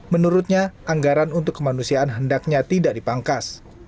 menurutnya anggaran untuk kemanusiaan hendaknya tidak dipangkas